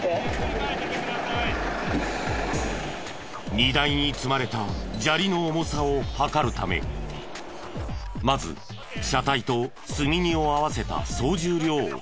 荷台に積まれた砂利の重さを量るためまず車体と積み荷を合わせた総重量を計測。